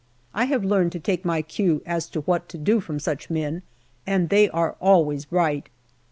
I have learned to take my cue as to what to do from such men, and they are always right.